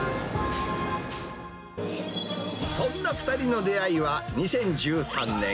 そんな２人の出会いは２０１３年。